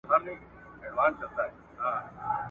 دواړي زامي یې له یخه رېږدېدلې ,